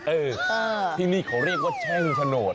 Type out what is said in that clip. เออที่นี่เขาเรียกว่าแช่งโฉนด